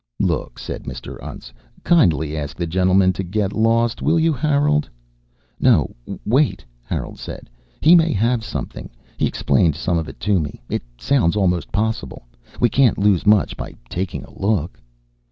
"Look," said Mr. Untz, "kindly ask the gentleman to get lost, will you, Harold?" "No, wait," Harold said. "He may have something. He explained some of it to me. It sounds almost possible. We can't lose much by taking a look."